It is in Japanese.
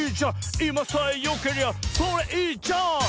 「いまさえよけりゃそれいいじゃん」